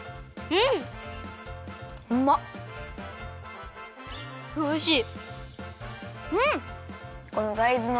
うんおいしい。